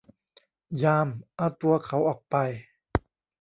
ยาม เอาตัวเขาออกไป !